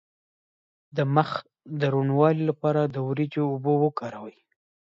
د مخ د روڼوالي لپاره د وریجو اوبه وکاروئ